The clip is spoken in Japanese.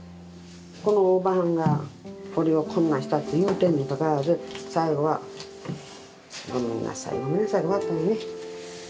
このおばはんが俺をこんなんしたって言うてんにもかかわらず最後は「ゴメンナサイゴメンナサイ」で終わったんやね。